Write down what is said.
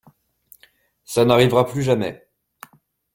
Ça n’arrivera plus jamais.